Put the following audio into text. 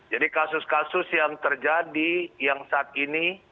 jadi kasus kasus yang terjadi yang saat ini